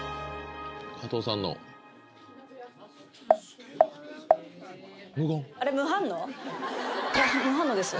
加藤さんのあれ？